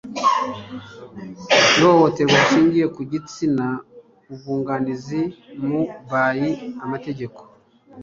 ihohoterwa rishingiye ku gitsina ubwunganizi mu by amategeko